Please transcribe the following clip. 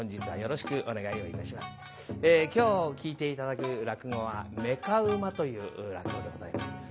今日聴いて頂く落語は「妾馬」という落語でございます。